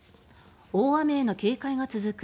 大雨への警戒が続く